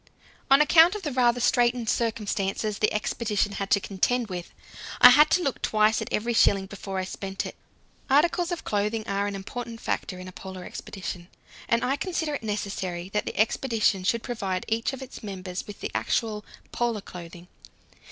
On account of the rather straitened circumstances the expedition had to contend with, I had to look twice at every shilling before I spent it. Articles of clothing are an important factor in a Polar expedition, and I consider it necessary that the expedition should provide each of its members with the actual "Polar clothing."